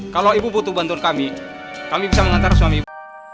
kalau ibu butuh bantuan kami kami bisa mengantar suami ibu